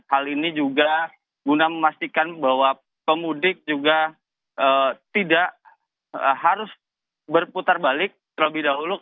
hal ini juga guna memastikan bahwa pemudik juga tidak harus berputar balik terlebih dahulu